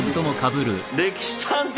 「歴史探偵」